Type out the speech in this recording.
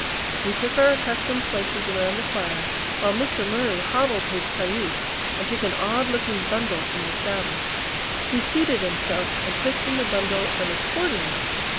We took our accustomed places around the fire, while Mr. Murry hobbled his cayuse and took an odd looking bundle from his saddle. He seated himself and took from the bundle an accordion!